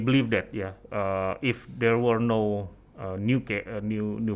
jika tidak ada varian baru